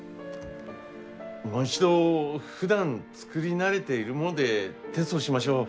もう一度ふだん作り慣れているものでテストしましょう。